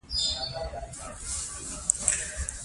قرآن تبعیض نه کوي.